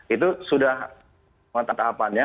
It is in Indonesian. itu sudah menetapannya